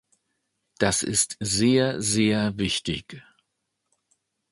Das ist sehr, sehr wichtig.